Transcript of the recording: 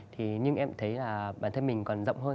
thì nhưng em thấy là bản thân mình còn rộng hơn